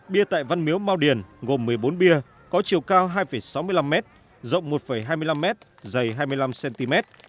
bia tại văn miếu mau điền gồm một mươi bốn bia có chiều cao hai sáu mươi năm m rộng một hai mươi năm m dày hai mươi năm cm